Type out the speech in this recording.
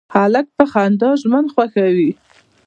هلک په خندا ژوند خوښوي.